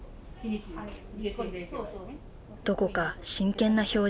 どこか真剣な表情。